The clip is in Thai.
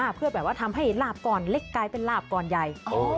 เพื่อแบบว่าทำให้ลาบก่อนเล็กกลายเป็นลาบก้อนใหญ่